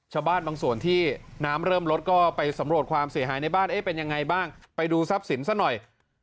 ชาวบ้านบางส่วนที่น้ำเริ่มลดก็ไปสำรวจความเสียหายในบ้านเอ๊ะเป็นยังไงบ้างไปดูทรัพย์สินซะหน่อย